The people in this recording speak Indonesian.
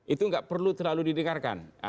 itu nggak perlu terlalu didengarkan